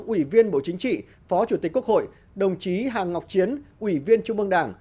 ủy viên bộ chính trị phó chủ tịch quốc hội đồng chí hà ngọc chiến ủy viên trung mương đảng